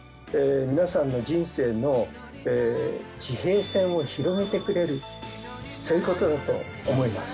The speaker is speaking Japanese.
皆さんの人生の地平線を広げてくれるそういうことだと思います。